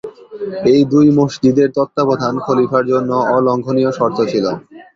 এই দুই মসজিদের তত্ত্বাবধান খলিফার জন্য অলঙ্ঘনীয় শর্ত ছিল।